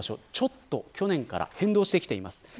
ちょっと去年から変動してきています。